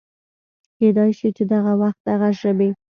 کېدی شي چې دغه وخت دغه ژبې